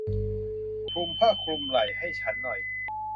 คลุมผ้าคลุมไหล่ให้ฉันหน่อย